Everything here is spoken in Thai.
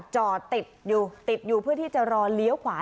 จอติดอยู่เพื่อที่จะรอเลี้ยวขวา